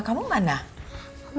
tiara gak mau mencintai mama